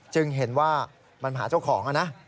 จึงเห็นว่ามันหาเจ้าของนะ